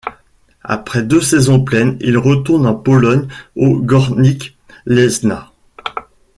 Après deux saisons pleines, il retourne en Pologne, au Górnik Łęczna.